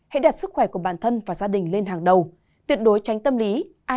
hãy đặt sức khỏe của bản thân và gia đình lên hàng đầu tuyệt đối tránh tâm lý